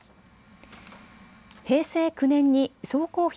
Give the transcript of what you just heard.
平成９年に総工費